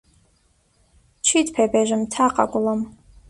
چیت پێ بێژم تاقە گوڵم